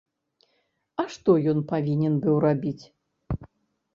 А што ён павінен быў рабіць?!